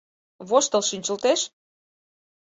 Воштыл шинчылтеш.